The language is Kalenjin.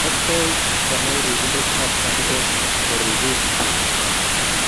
Maktoi konai ribindet ab kaniset koriib bik chiik